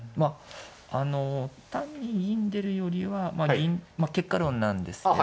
あの単に銀出るよりはまあ結果論なんですけど。